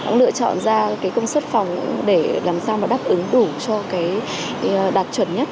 nó lựa chọn ra công suất phòng để làm sao đáp ứng đủ cho đạt chuẩn nhất